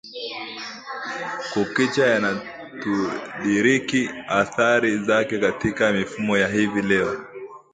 kukicha yanatudiriki athari zake katika mifumo ya hivi leo